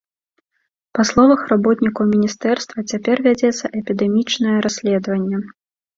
Па словах работнікаў міністэрства, цяпер вядзецца эпідэмічнае расследаванне.